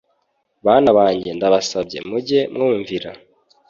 Bana banjye ndabasabye mujye mwumvira